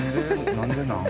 何でなん？